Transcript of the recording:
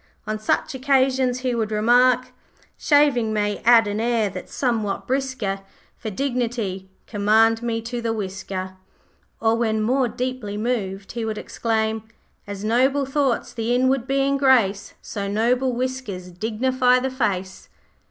On such occasions he would remark 'Shaving may add an air that's somewhat brisker, For dignity, commend me to the whisker.' Or, when more deeply moved, he would exclaim 'As noble thoughts the inward being grace, So noble whiskers dignify the face.'